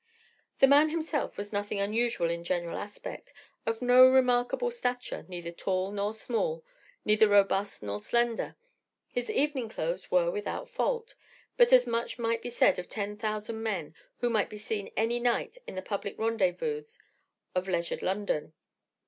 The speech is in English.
The man himself was nothing unusual in general aspect, of no remarkable stature, neither tall nor small, neither robust nor slender. His evening clothes were without fault, but as much might be said of ten thousand men who might be seen any night in the public rendezvous of leisured London.